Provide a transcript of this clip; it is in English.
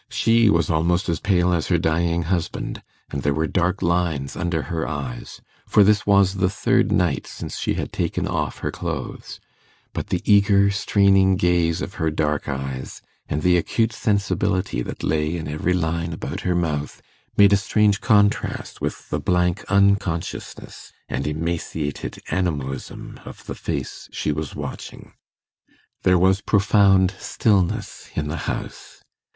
She was almost as pale as her dying husband, and there were dark lines under her eyes, for this was the third night since she had taken off her clothes; but the eager straining gaze of her dark eyes, and the acute sensibility that lay in every line about her mouth, made a strange contrast with the blank unconsciousness and emaciated animalism of the face she was watching. There was profound stillness in the house.